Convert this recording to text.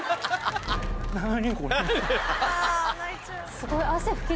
すごい。